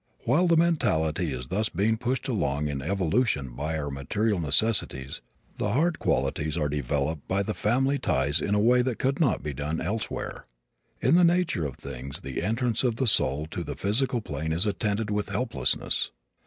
While the mentality is thus being pushed along in evolution by our material necessities, the heart qualities are developed by the family ties in a way that could not be done elsewhere. In the nature of things the entrance of the soul to the physical plane is attended with helplessness.